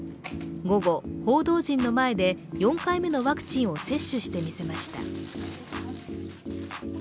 午後、報道陣の前で４回目のワクチンを接種してみせました。